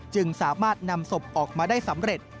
จึงสามารถนำศพออกมาได้สำเร็จ